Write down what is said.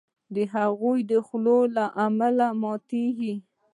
د هغوی د خولو له امله ماتیږي.